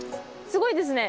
すごいですね。